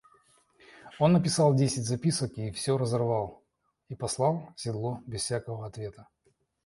Он написал десять записок и все разорвал и послал седло без всякого ответа.